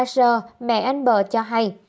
ba g mẹ anh bờ cho hay